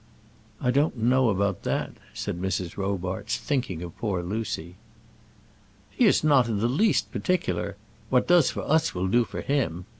"I don't know about that," said Mrs. Robarts, thinking of poor Lucy. "He is not in the least particular. What does for us will do for him.